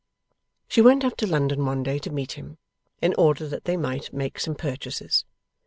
She went up to London one day, to meet him, in order that they might make some purchases.